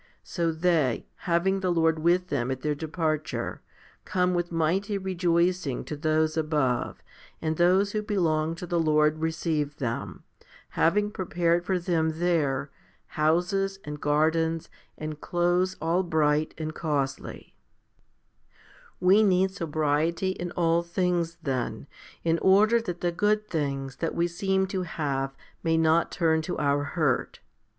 So they, having the Lord with them at their de parture, come with mighty rejoicing to those above, and those who belong to the Lord receive them, having prepared for them there houses, and gardens, and clothes all bright and costly. 1 Matt, xxiii. 27. z John xvii. 16. HOMILY XVI 139 9. We need sobriety in all things, then, in order that the good things that we seem to have may not turn to our hurt.